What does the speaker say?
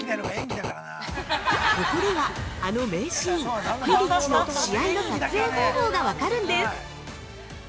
ここでは、あの名シーン「クィディッチ」の試合の撮影方法が分かるんです！